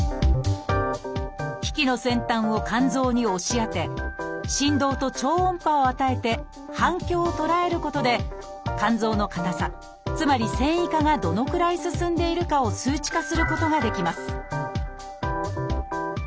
機器の先端を肝臓に押し当て振動と超音波を与えて反響を捉えることで肝臓の硬さつまり線維化がどのくらい進んでいるかを数値化することができます